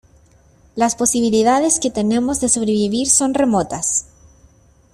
las posibilidades que tenemos de sobrevivir son remotas,